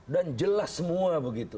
dan jelas semua begitu